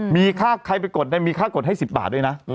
มีค่าใครไปกดมีค่ากดให้๑๐บาทด้วยนะ